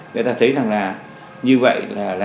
người ta thấy như vậy